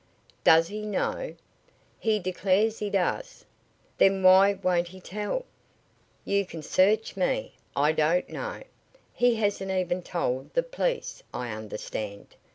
"Does he know?" "He declares he does." "Then why won't he tell?" "You can search me. I don't know. He hasn't even told the police, I understand.